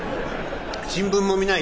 新聞も見ない。